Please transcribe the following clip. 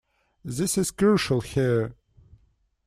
This is crucial here.